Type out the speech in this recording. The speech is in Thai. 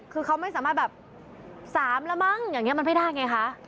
คือเขาไม่สามารถแบบ๓แล้วมั้งอย่างนี้มันไม่ได้ไงคะ